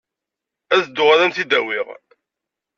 Ad dduɣ ad am-t-id-awiɣ.